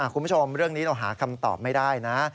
คุณผู้ชมเรื่องนี้เราหาคำตอบไม่ได้นะ